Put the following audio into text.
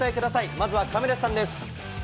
まずは亀梨さんです。